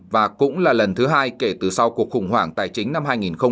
và cũng là lần thứ hai kể từ sau cuộc khủng hoảng tài chính năm hai nghìn tám